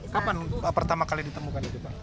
kapan pertama kali ditemukan itu pak